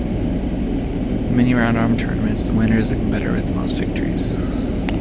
In many round-robin tournaments, the winner is the competitor with the most victories.